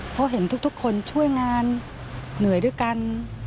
เพราะเห็นทุกคนช่วยงานเหนื่อยด้วยกัน